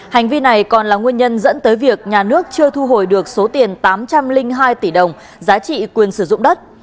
hành vi này còn là nguyên nhân dẫn tới việc nhà nước chưa thu hồi được số tiền tám trăm linh hai tỷ đồng giá trị quyền sử dụng đất